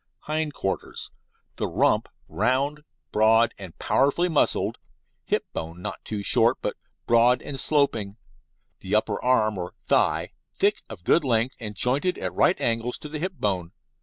HIND QUARTERS The rump round, broad, and powerfully muscled; hip bone not too short, but broad and sloping; the upper arm, or thigh, thick, of good length, and jointed at right angles to the hip bone.